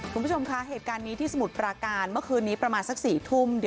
คุณผู้ชมคะเหตุการณ์นี้ที่สมุทรปราการเมื่อคืนนี้ประมาณสัก๔ทุ่ม